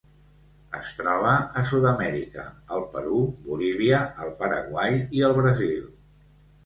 Es troba a Sud-amèrica: el Perú, Bolívia, el Paraguai i el Brasil.